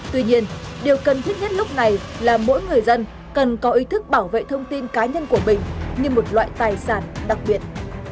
tuy nhiên điều cần thiết nhất lúc này là mỗi người dân cần có ý thức bảo vệ thông tin cá nhân của mình như một loại tài sản đặc biệt